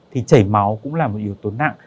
thì chảy máu cũng là một yếu tố nặng